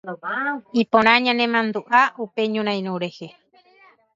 Iporã ñanemandu'a upe ñorairõ rehe.